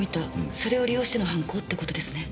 それを利用しての犯行って事ですね。